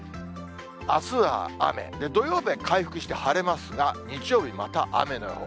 あすは雨、土曜日は回復して晴れますが、日曜日また雨の予報。